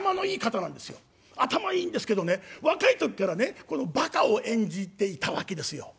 頭いいんですけどね若い時からねバカを演じていたわけですよ。